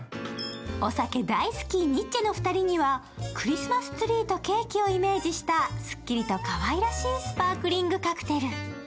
お酒大好き、ニッチェの２人にはクリスマスツリーとケーキをイメージしたすっきりとかわいいスパークリングカクテル。